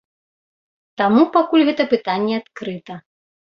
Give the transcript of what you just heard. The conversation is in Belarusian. Таму пакуль гэта пытанне адкрыта.